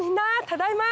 ただいま！